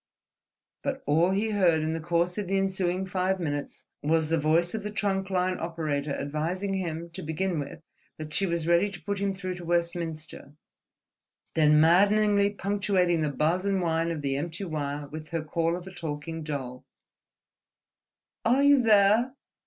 But all he heard, in the course of the ensuing five minutes, was the voice of the trunk line operator advising him, to begin with, that she was ready to put him through to Westminster, then maddeningly punctuating the buzz and whine of the empty wire with her call of a talking doll—"Are you theah?...